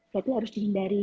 jadi harus dihindari